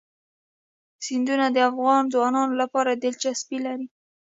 سیندونه د افغان ځوانانو لپاره دلچسپي لري.